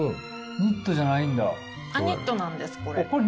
あっニットなんですこれ。